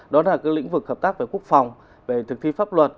đó là lĩnh vực hợp tác về quốc phòng về thực thi pháp luật